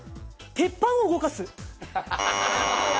鉄板を動かす。